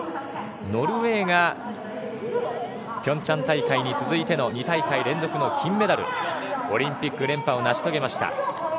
ノルウェーが平昌大会に続いての２大会連続の金メダル、オリンピック連覇を成し遂げました。